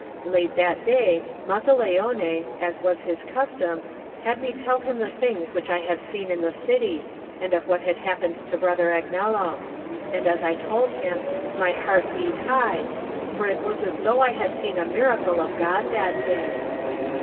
Late that day Mazzaleone, as was his custom, had me tell him the things which I had seen in the city, and of what had happened to Brother Agnello; and as I told him my heart beat high, for it was as though I had seen a miracle of God that day.